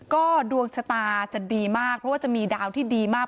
ก็ดวงชะตาจะดีมากเพราะว่าจะมีดาวที่ดีมาก